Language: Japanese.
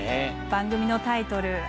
番組のタイトル